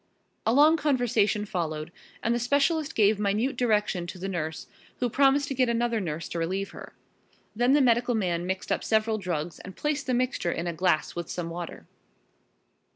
A long conversation followed, and the specialist gave minute direction to the nurse, who promised to get another nurse to relieve her. Then the medical man mixed up several drugs and placed the mixture in a glass with some water.